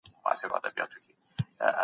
سود د غریبانو ژوند تباه کوي.